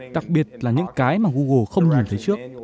đặc biệt là những cái mà google không nhìn thấy trước